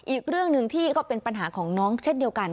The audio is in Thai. อีกเรื่องหนึ่งที่ก็เป็นปัญหาของน้องเช่นเดียวกัน